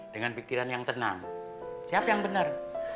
dengan pikiran yang tenang siapa yang benar